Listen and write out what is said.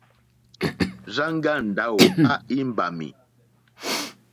Rzanga Ndawo a imbami.